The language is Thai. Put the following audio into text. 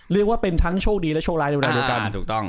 เรียกว่าเป็นทั้งโชคดีและโชคร้ายในเวลาเดียวกันถูกต้อง